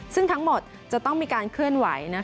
ซึ่งทั้งหมดจะต้องมีการเคลื่อนไหว